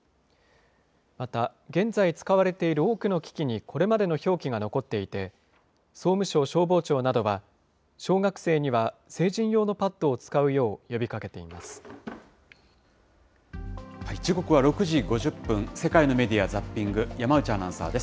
また、現在使われている多くの機器にこれまでの表記が残っていて、総務省消防庁などは、小学生には成人用のパッドを使うよう呼びか時刻は６時５０分、世界のメディア・ザッピング、山内アナウンサーです。